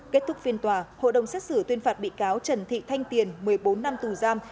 kết thúc phiên tòa hộ đồng xét xử tuyên phạt bị cáo trần thị thanh tiền một mươi bốn năm tù giam